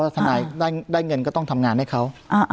ทนายได้เงินก็ต้องทำงานให้เขา